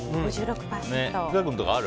生田君とかある？